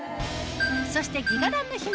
そしてギガ暖の秘密